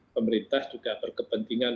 pemerintah juga berkepentingan